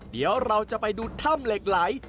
เดี๋ยวเราจะไปดูถ้ำเหล็กไหล